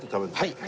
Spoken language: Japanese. はい。